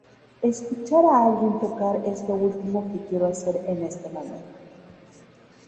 Escuchar a alguien tocar es lo último que quiero hacer en este momento".